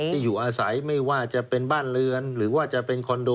ที่อยู่อาศัยไม่ว่าจะเป็นบ้านเรือนหรือว่าจะเป็นคอนโด